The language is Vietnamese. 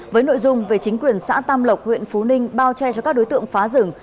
với nội dung về chính quyền xã tam lộc huyện phú ninh bao che cho các đối tượng phá rừng